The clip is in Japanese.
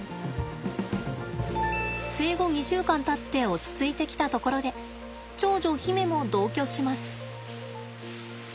生後２週間たって落ち着いてきたところで長女媛も同居します。